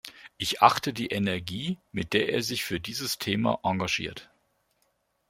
Ich achte die Energie, mit der er sich für dieses Thema engagiert.